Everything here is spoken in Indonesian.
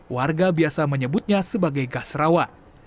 warga biasa menyebutnya sebagai gas rawa